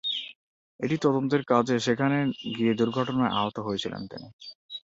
একটি তদন্তের কাজে সেখানে গিয়ে দুর্ঘটনায় আহত হয়েছিলেন তিনি।